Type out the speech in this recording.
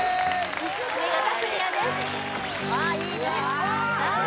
見事クリアですさあ